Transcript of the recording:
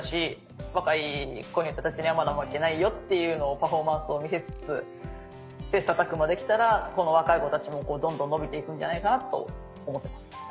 若い子たちにはまだ負けないよっていうのをパフォーマンスを見せつつ切磋琢磨できたら若い子たちもどんどん伸びて行くじゃないかなと思ってます。